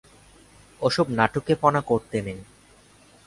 ওসব নাটুকেপনা করতে নেই।